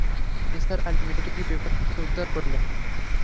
নিসার আলি মেয়েটিকে বিপদ থেকে উদ্ধার করলেন।